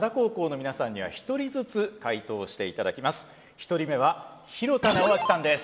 １人目は廣田直聡さんです。